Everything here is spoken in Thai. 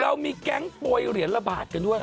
แล้วมีแก๊งปลวยเหรียญละบาทกันด้วย